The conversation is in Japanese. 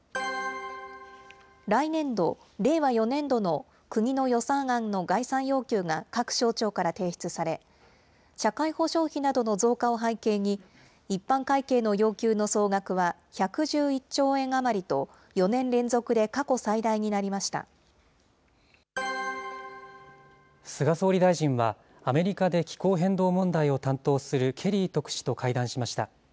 来年度・令和４年度の国の予算案の概算要求が各省庁から提出され、社会保障費などの増加を背景に、一般会計の要求の総額は１１１兆円余りと、４年連続で過去最大に菅総理大臣は、アメリカで気候変動問題を担当するケリー特使と会談しました。